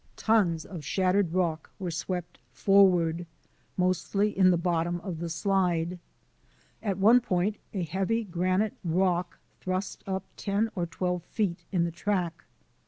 Tons of shattered rock were swept forward, mostly in the bottom of the slide. At one point a heavy granite rock thrust up ten or twelve feet in the track.